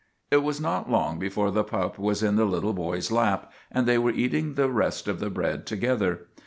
It was not long before the pup was in the little boy's lap, and they were eating the rest of the bread together.